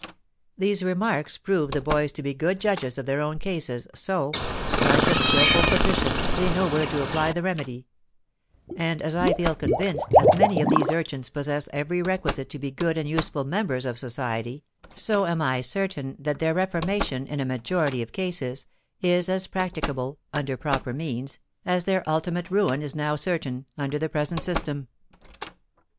These remarks prove the boys to be good judges of their own cases; so, like a skilful physician, they know where to apply the remedy; and as I feel convinced that many of these urchins possess every requisite to be good and useful members of society, so am I certain that their reformation, in a majority of cases, is as practicable, under proper means, as their ultimate ruin is now certain, under the present system."